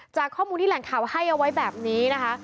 จากข้อมูลที่แหล่งข่าวให้เอาไว้แบบนี้นะคะ